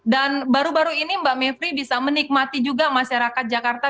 dan baru baru ini mbak mevry bisa menikmati juga masyarakat jakarta